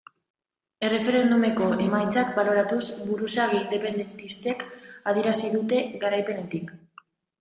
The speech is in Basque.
Erreferendumeko emaitzak baloratuz buruzagi independentistek adierazi dute, garaipenetik.